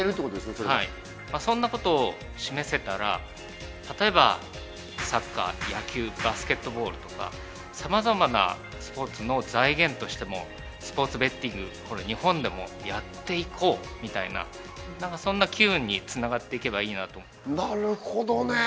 それがそんなことを示せたら例えばサッカー野球バスケットボールとか様々なスポーツの財源としてもスポーツベッティング日本でもやっていこうみたいなそんな機運につながっていけばいいなとなるほどね